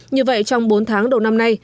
như vậy trong bốn tháng đầu năm nay